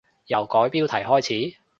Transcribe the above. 由改標題開始？